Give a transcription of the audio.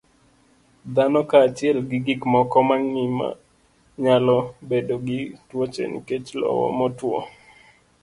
Dhano kaachiel gi gik moko mangima nyalo bedo gi tuoche nikech lowo motwo.